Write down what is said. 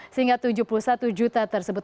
sehingga tujuh puluh satu juta tersebut